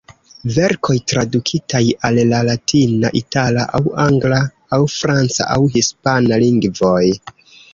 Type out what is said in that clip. Verkoj tradukitaj al la latina, itala aŭ angla aŭ franca aŭ hispana... lingvoj.